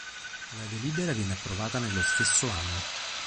La delibera viene approvata nello stesso anno.